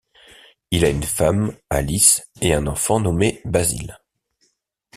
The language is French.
Il a une femme, Alice, et un enfant nommé Basile.